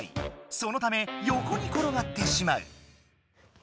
そのためよこにころがってしまう。